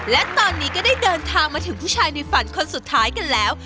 และตอนนี้ก็ได้เดินทางมาถึงผู้ชายในฝันคนสุดท้ายกันแล้ว